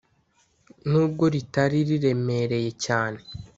n’ubwo ritari riremereye cyane